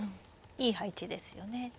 いい配置ですよね。